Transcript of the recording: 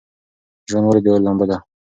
ژوند ولې د اور لمبه ده؟